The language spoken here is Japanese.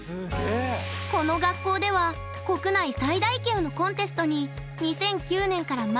この学校では国内最大級のコンテストに２００９年から毎年参加！